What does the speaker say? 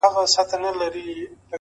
هغه چي ځان زما او ما د ځان بولي عالمه!!